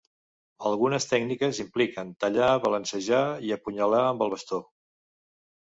Algunes tècniques impliquen tallar, balancejar i apunyalar amb el bastó.